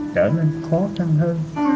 trở nên khó thăng hơn